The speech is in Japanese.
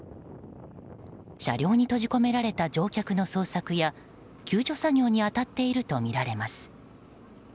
車両に閉じ込められた乗客の捜索や救助作業に当たっているとみられます。